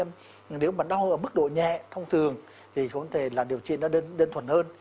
nhưng nếu mà đau ở mức độ nhẹ thông thường thì có thể là điều trị nó đơn thuần hơn